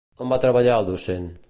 On va treballar de docent?